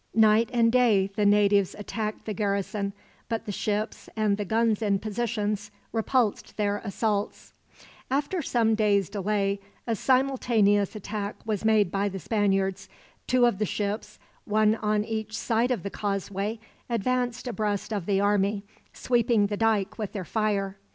Night and day the natives attacked the garrison; but the ships, and the guns in positions, repulsed their assaults. After some days' delay, a simultaneous attack was made by the Spaniards. Two of the ships, one on each side of the causeway, advanced abreast of the army, sweeping the dike with their fire.